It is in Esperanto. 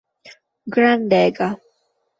grandega